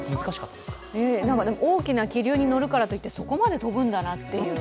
大きな気流に乗るからといって、そこまで飛ぶんだなって。